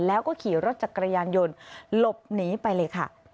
แล้วก็ขี่รถจักรยานยนต์หลบหนีไปเลยค่ะ